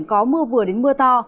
có mưa vừa đến mưa to